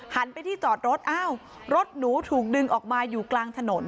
ไปที่จอดรถอ้าวรถหนูถูกดึงออกมาอยู่กลางถนน